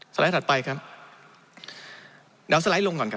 สลัดต่อไปครับแล้วสลัดลงก่อนครับ